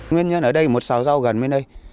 nguyên nhân ở đây một sáu rau gần bên đây